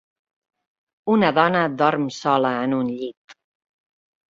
Una dona dorm sola en un llit.